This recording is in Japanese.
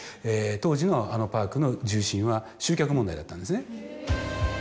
当時のあのパークの重心は集客問題だったんですね。